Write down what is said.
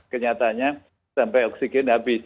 kenyataannya sampai oksigen habis